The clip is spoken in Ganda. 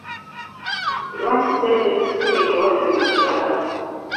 Lwaki ssente tozitereka ewaffe mu kyalo.